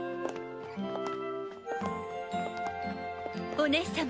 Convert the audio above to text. お姉様